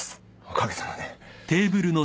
おかげさまで。